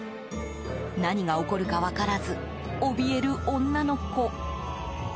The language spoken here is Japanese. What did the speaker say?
何が起こるか分からずおびえる女の子。